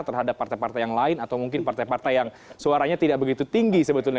terhadap partai partai yang lain atau mungkin partai partai yang suaranya tidak begitu tinggi sebetulnya